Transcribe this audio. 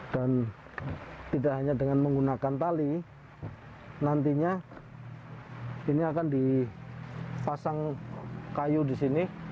dan tidak hanya dengan menggunakan tali nantinya ini akan dipasang kayu di sini